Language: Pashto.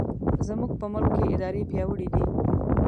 زموږ په ملک کې ادارې پیاوړې دي.